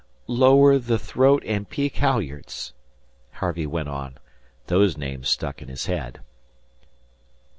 "Lower the throat and peak halyards," Harvey went on. Those names stuck in his head.